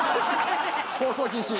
放送禁止。